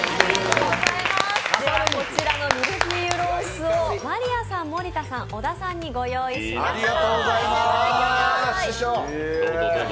こちらのミルフィーユロースを真莉愛さん、森田さん、小田さんにご用意いたしました。